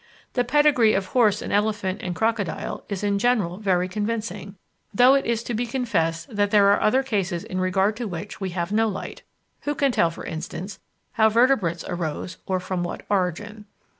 The pedigree of horse and elephant and crocodile is in general very convincing, though it is to be confessed that there are other cases in regard to which we have no light. Who can tell, for instance, how Vertebrates arose or from what origin?